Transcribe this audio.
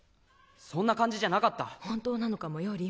そんな感じじゃなかった本当なのかもよ